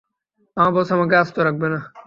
আমার বস আমাকে আস্ত রাখবে না।